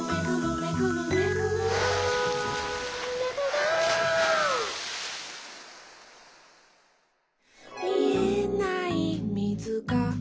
「めぐる」「みえないみずが」